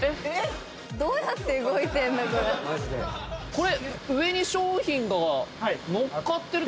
これ。